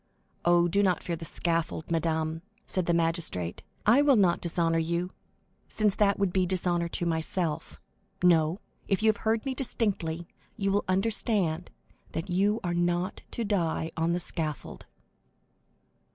"Oh, do not fear the scaffold, madame," said the magistrate; "I will not dishonor you, since that would be dishonor to myself; no, if you have heard me distinctly, you will understand that you are not to die on the scaffold."